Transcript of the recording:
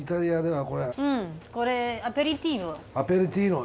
これアペリティーボ。